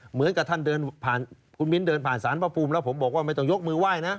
เหมือนกับท่านเดินผ่านคุณมิ้นเดินผ่านสารพระภูมิแล้วผมบอกว่าไม่ต้องยกมือไหว้นะ